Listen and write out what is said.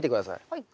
はい。